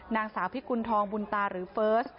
นางสาวพิกุณฑองบุญตาหรือเฟิร์ส